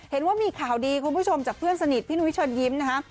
เห็นว่ามีข่าวดีคุณผู้ชมจากเพื่อนสนิทพี่นุ้ยเชิญยิ้มนะฮะ